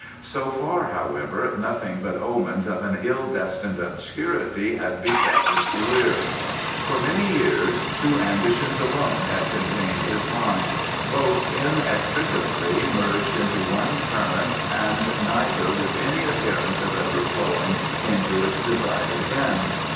So far, however, nothing but omens of an ill destined obscurity had beset his career. For many years two ambitions alone had contained his mind, both inextricably merged into one current and neither with any appearance of ever flowing into its desired end.